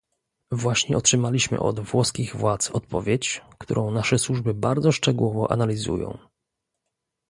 Właśnie otrzymaliśmy od włoskich władz odpowiedź, którą nasze służby bardzo szczegółowo analizują